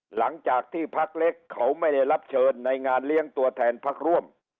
หลังจากที่พักเล็กเขาไม่ได้รับเชิญในงานเลี้ยงตัวแทนพักร่วม